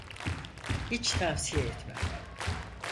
Hiç tavsiye etmem.